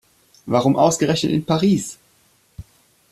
Warum ausgerechnet in Paris?